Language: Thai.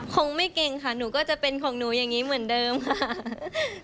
คงไม่เก่งค่ะหนูก็จะเป็นของหนูอย่างนี้เหมือนเดิมค่ะ